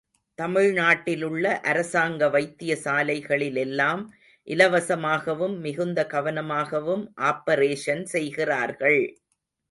தமிழ்நாட்டிலுள்ள அரசாங்க வைத்தியசாலைகளிலெல்லாம் இலவசமாகவும் மிகுந்த கவனமாகவும் ஆப்பரேஷன் செய்கிறார்கள்.